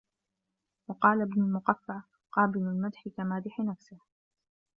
وَقَالَ ابْنُ الْمُقَفَّعِ قَابِلُ الْمَدْحِ كَمَادِحِ نَفْسِهِ